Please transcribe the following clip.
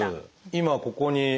今ここに。